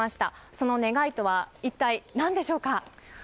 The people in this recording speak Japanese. その願いとは一体何でしょうか？